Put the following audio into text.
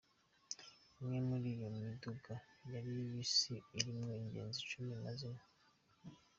Umwe muri iyo miduga yari bisi irimwo ingenzi cumi na zine.